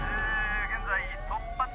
現在突破町。